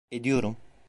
Ediyorum.